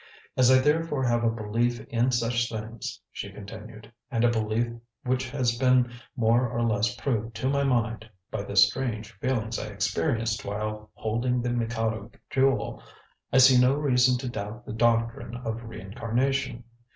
"As I therefore have a belief in such things," she continued, "and a belief which has been more or less proved to my mind, by the strange feelings I experienced while holding the Mikado Jewel, I see no reason to doubt the doctrine of reincarnation.